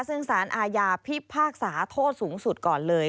ซึ่งสารอาญาพิพากษาโทษสูงสุดก่อนเลย